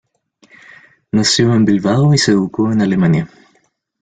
Nació en Bilbao y se educó en Alemania.